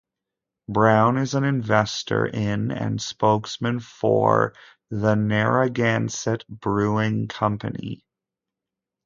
Brown is an investor in and spokesman for the Narragansett Brewing Company.